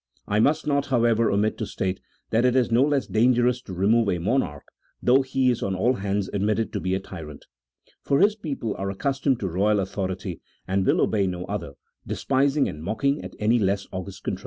I must not, however, omit to state that it is no less dangerous to remove a monarch, though he is on all hands admitted to be a tyrant. For his people are accustomed to royal autho rity and will obey no other, despising and mocking at any less august control. CHAP. XVIII.